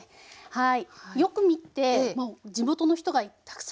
はい。